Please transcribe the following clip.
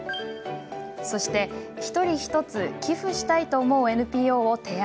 そして、１人１つ寄付したいと思うＮＰＯを提案。